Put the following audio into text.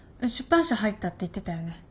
出版社入ったって言ってたよね？